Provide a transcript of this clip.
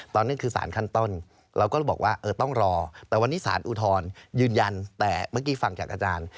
ตอนนี้คือสารขั้นต้นเราก็เลยบอกว่าเออต้องรอแต่วันนี้สารอุทธรณ์ยืนยันแต่เมื่อกี้ฟังจากอาจารย์